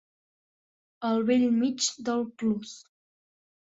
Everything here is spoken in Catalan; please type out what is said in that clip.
Al bell mig del plus.